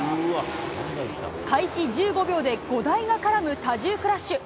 開始１５秒で５台が絡む多重クラッシュ。